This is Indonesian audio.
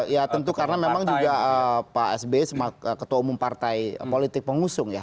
ya tentu karena memang juga pak sby ketua umum partai politik pengusung ya